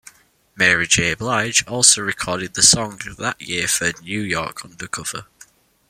Mary J. Blige also recorded the song that year for "New York Undercover".